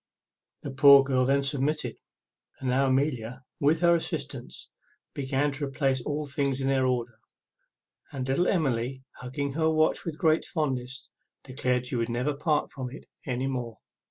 The poor girl then submitted; and now Amelia, with her assistance, began to replace all things in their order; and little Emily hugging her watch with great fondness, declared she would never part with it any more.